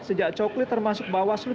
sejak coklet termasuk bawaslu